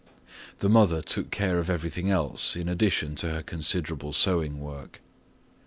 The mother took care of everything else in addition to her considerable sewing work.